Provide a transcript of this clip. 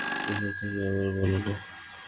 এসব তাকে আবার বলো না।